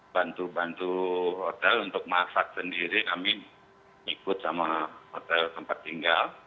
bantu bantu hotel untuk masak sendiri kami ikut sama hotel tempat tinggal